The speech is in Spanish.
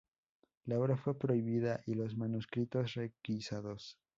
La obra fue prohibida y los manuscritos requisados.